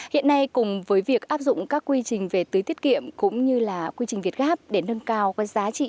hiện nay cùng với việc áp dụng các quy trình về tưới tiết kiệm cũng như là quy trình việt gáp để nâng cao giá trị